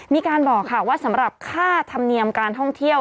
มีการบอกค่ะว่าสำหรับค่าธรรมเนียมการท่องเที่ยว